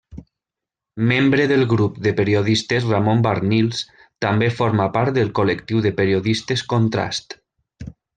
Membre del Grup de Periodistes Ramon Barnils, també forma part del Col·lectiu de Periodistes Contrast.